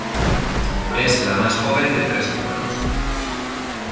Es la más joven de tres hermanos.